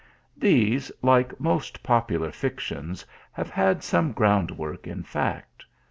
These, like most popular fictions, have had some groundwork in fact.